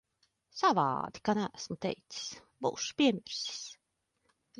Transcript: Savādi, ka neesmu teicis. Būšu piemirsis.